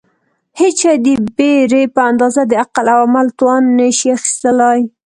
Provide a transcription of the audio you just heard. هېڅ شی د بېرې په اندازه د عقل او عمل توان نشي اخیستلای.